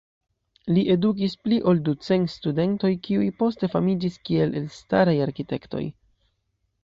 Li edukis pli ol du cent studentojn, kiuj poste famiĝis kiel elstaraj arkitektoj.